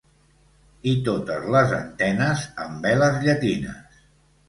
I totes les antenes amb veles llatines.